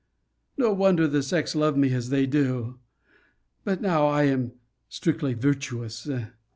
No wonder the sex love me as they do! But now I am strictly virtuous.